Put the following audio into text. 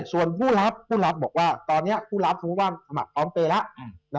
ส่วนผู้รับผู้รับบอกว่าตอนนี้ผู้รับรู้ว่าสมัครพร้อมเปย์แล้ว